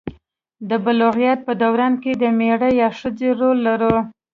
د بلوغیت په دوران کې د میړه یا ښځې رول لرو.